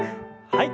はい。